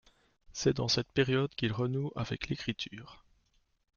C’est dans cette période qu’il renoue avec l’écriture.